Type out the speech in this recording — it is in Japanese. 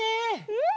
うん。